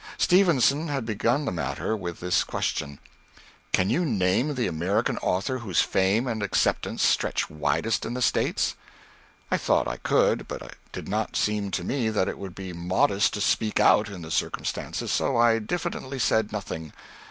Stevenson had begun the matter with this question: "Can you name the American author whose fame and acceptance stretch widest in the States?" I thought I could, but it did not seem to me that it would be modest to speak out, in the circumstances. So I diffidently said nothing.